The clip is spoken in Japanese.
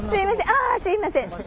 ああすいません。